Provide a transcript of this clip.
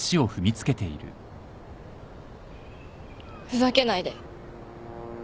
ふざけないで。